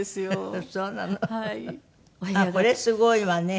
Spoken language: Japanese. あっこれすごいわね。